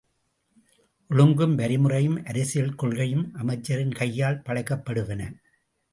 ஒழுங்கும், வரிமுறையும், அரசியல் கொள்கையும் அமைச்சரின் கையால் படைக்கப்படுவன.